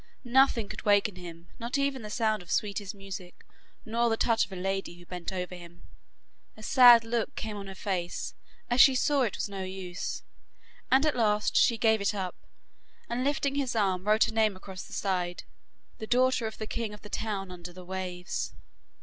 Nothing could waken him, not even the sound of sweetest music, nor the touch of a lady who bent over him. A sad look came on her face, as she saw it was no use, and at last she gave it up, and lifting his arm, wrote her name across the side 'the daughter of the king of the town under the waves.